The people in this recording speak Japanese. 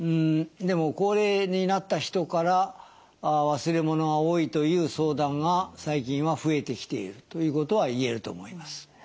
でも高齢になった人から忘れ物が多いという相談が最近は増えてきているということは言えると思います。